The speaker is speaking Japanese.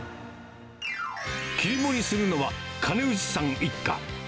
切り盛りするのは、金内さん一家。